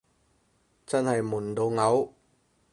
真係悶到嘔